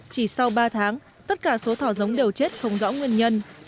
chỉ sau ba tháng tất cả số thỏ giống đều chết không rõ nguyên nhân